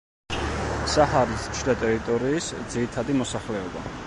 საჰარის შიდა ტერიტორიის ძირითადი მოსახლეობა.